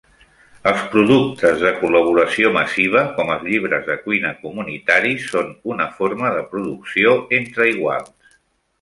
Els productes de col·laboració massiva, com els llibres de cuina comunitaris són una forma de producció entre iguals.